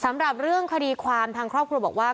สำหรับเรื่องคดีความทางครอบครัวบอกว่า